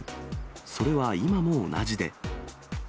それは今も同じで。